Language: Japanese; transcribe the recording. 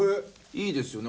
いいですよね